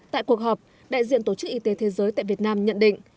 tại cuộc họp đại diện tổ chức y tế thế giới tại việt nam nhận định